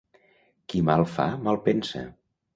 Qui mal fa mal pensa.